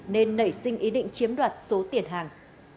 nên nảy sinh ý định chiếm đoạt số tiền hàng